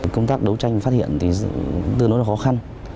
công tác đấu tranh phát hiện thì tương đối là khó khăn